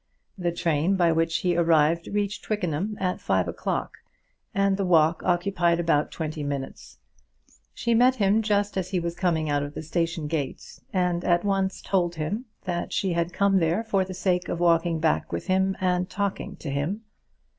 The train by which he arrived reached Twickenham at five o'clock, and the walk occupied about twenty minutes. She met him just as he was coming out of the station gate, and at once told him that she had come there for the sake of walking back with him and talking to him.